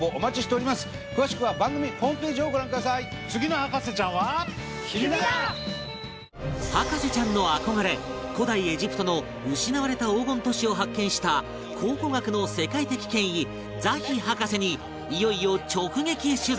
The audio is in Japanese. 博士ちゃんの憧れ古代エジプトの失われた黄金都市を発見した考古学の世界的権威、ザヒ博士にいよいよ、直撃取材